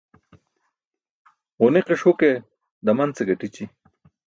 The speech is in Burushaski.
Ġuniqiṣ huke daman ce gaṭići.